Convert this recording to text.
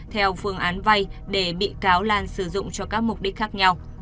theo phương án vay để bị cáo lan sử dụng cho các mục đích khác nhau